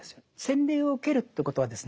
洗礼を受けるということはですね